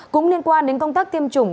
cũng liên quan đến công tác tiêm chủng